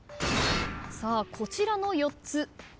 さあこちらの４つ。